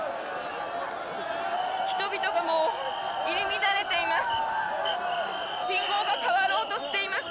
人々が入り乱れています。